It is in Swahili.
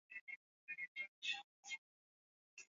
Wataalamu wa tiba za mifugo